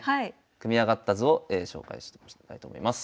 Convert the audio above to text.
組み上がった図を紹介したいと思います。